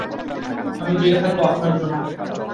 আমি জেগে থাকব আপনার জন্যে।